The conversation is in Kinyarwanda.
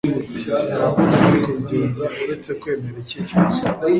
Nta kundi nari kubigenza uretse kwemera icyifuzo